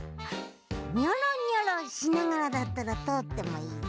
ニョロニョロしながらだったらとおってもいいぞ。